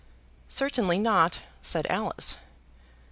"Certainly not," said Alice.